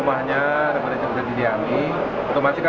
sehingga setelah naik musim kematian lastest madeho